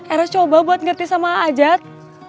eros coba buat ngerti sama a'ajat